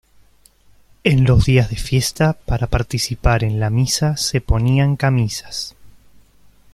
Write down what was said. En los días de fiesta para participar en la misa se ponían camisas.